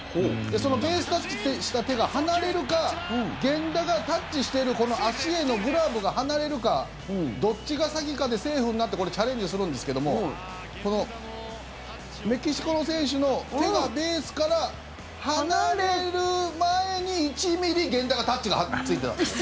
そのベースタッチした手が離れるか源田がタッチしているこの足へのグラブが離れるかどっちが先かでセーフになってチャレンジするんですけどもメキシコの選手の手がベースから離れる前に１ｍｍ、源田がタッチがついてた。